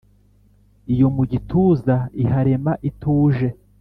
Iyo mu gituza iharema ituje